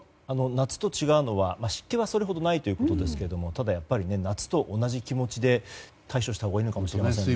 夏と違うのは、湿気はそれほどないということですけどただ、やっぱり夏と同じ気持ちで対処したほうがいいのかもしれないですね。